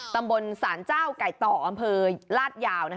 ตำบลสารเจ้าไก่ต่ออำเภอลาดยาว